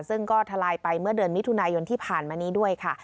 ซึ่งก็ทลายไปเมื่อเดือนมิถุนายนที่ผ่านมานี้ด้วยค่ะ